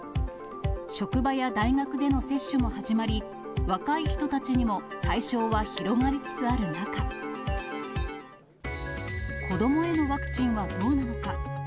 職場や大学での接種も始まり、若い人たちにも対象は広がりつつある中、子どもへのワクチンはどうなのか。